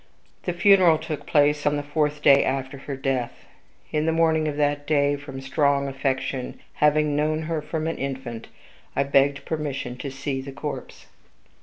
The funeral took place on the fourth day after her death. In the morning of that day, from strong affection having known her from an infant I begged permission to see the corpse.